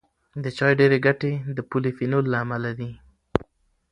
د چای ډېری ګټې د پولیفینول له امله دي.